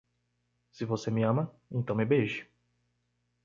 Se você me ama, então me beije